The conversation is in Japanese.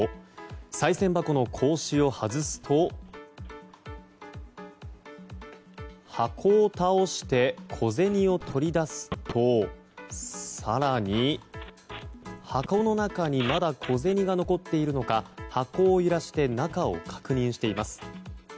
さい銭箱の格子を外すと箱を倒して、小銭を取り出すと更に、箱の中にまだ小銭が残っているのか箱を揺らして中を確認しています。